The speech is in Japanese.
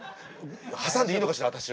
挟んでいいのかしら私を。